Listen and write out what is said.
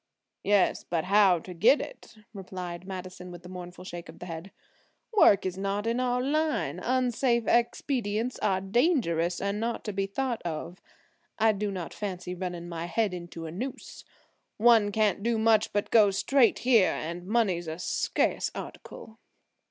"Yes, but how to get it," replied Madison with a mournful shake of the head. "Work is not in our line, unsafe expedients are dangerous and not to be thought of. I do not fancy running my head into a noose. One can't do much but go straight here, and money's a scarce article."